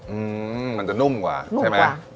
อืมมันจะนุ่มกว่าใช่ไหม